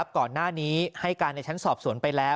ก่อนหน้านี้ให้การในชั้นสอบสวนไปแล้ว